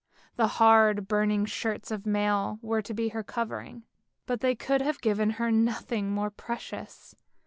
The hard burning shirts of mail were to be her covering, but they could have given her nothing more precious.